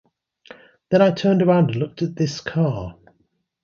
Then I turned around and looked at this car.